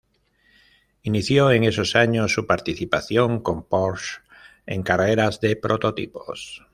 Inició en esos años su participación con Porsche en carreras de prototipos.